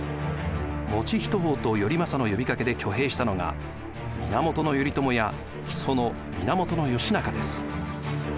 以仁王と頼政の呼びかけで挙兵したのが源頼朝や木曽の源義仲です。